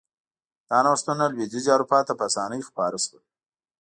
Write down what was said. دا نوښتونه لوېدیځې اروپا ته په اسانۍ خپاره شول.